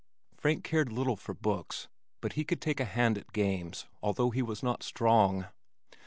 Frank cared little for books but he could take a hand at games although he was not strong.